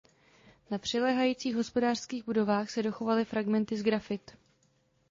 Na přiléhajících hospodářských budovách se dochovaly fragmenty sgrafit.